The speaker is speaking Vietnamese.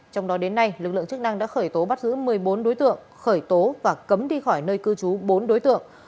trong đó đến nay lực lượng chức năng đã khởi tố bắt giữ một mươi bốn đối tượng khởi tố và cấm đi khỏi nơi cư trú bốn đối tượng